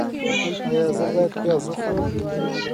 ایا زه باید پیاز وخورم؟